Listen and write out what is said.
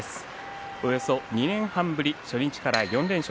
およそ２年半ぶり初日から４連勝。